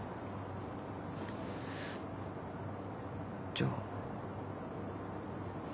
じゃあ。